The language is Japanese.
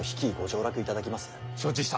承知した。